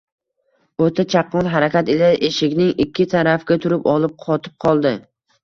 o‘ta chaqqon harakat ila eshikning ikki tarafiga turib olib qotib qoldi.